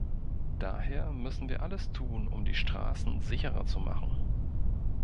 Daher müssen wir alles tun, um die Straßen sicherer zu machen.